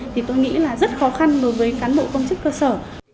thì tôi nghĩ là rất khó khăn đối với cán bộ công chức cơ sở